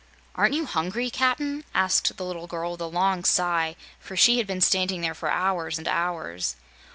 "Aren't you hungry, Cap'n?" asked the little girl, with a long sigh, for she had been standing there for hours and hours.